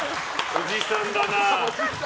おじさんだな。